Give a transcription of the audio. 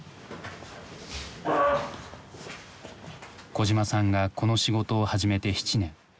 小島さんがこの仕事を始めて７年。